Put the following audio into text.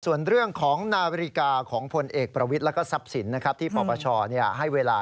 ส่วนเรื่องของนาฬิกาของพลเอกประวิทย์แล้วก็ทรัพย์สินที่ปปชให้เวลา